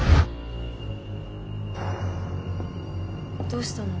どうしたの？